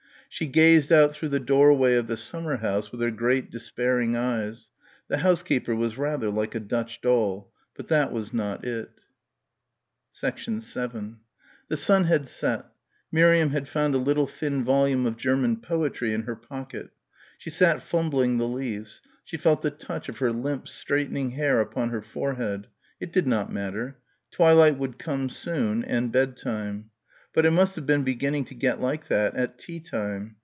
She gazed out through the doorway of the summer house with her great despairing eyes ... the housekeeper was rather like a Dutch doll ... but that was not it. 7 The sun had set. Miriam had found a little thin volume of German poetry in her pocket. She sat fumbling the leaves. She felt the touch of her limp straightening hair upon her forehead. It did not matter. Twilight would soon come, and bed time. But it must have been beginning to get like that at tea time.